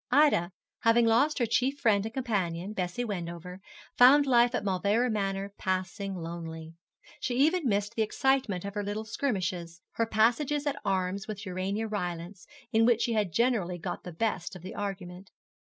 Ida, having lost her chief friend and companion, Bessie Wendover, found life at Mauleverer Manor passing lonely. She even missed the excitement of her little skirmishes, her passages at arms, with Urania Rylance, in which she had generally got the best of the argument.